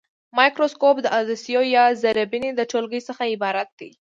مایکروسکوپ د عدسیو یا زرې بیني د ټولګې څخه عبارت دی.